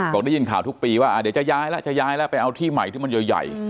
บอกได้ยินข่าวทุกปีว่าเดี๋ยวจะย้ายแล้วจะย้ายแล้วไปเอาที่ใหม่ที่มันใหญ่